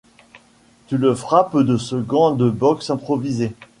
Tu le frappes de ce gant de boxe improvisé.